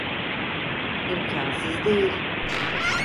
İmkansız değil.